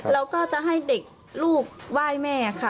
แล้วก็จะให้เด็กลูกไหว้แม่ค่ะ